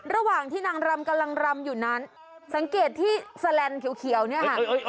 ระหว่างที่นางรำกำลังรำอยู่นั้นสังเกตที่แสลนด์เขียวเนี่ยค่ะ